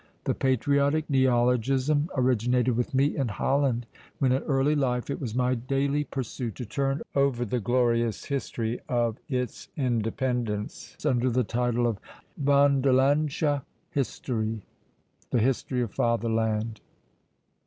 The patriotic neologism originated with me in Holland, when, in early life, it was my daily pursuit to turn over the glorious history of its independence under the title of Vaderlandsche Historie the history of FATHER LAND!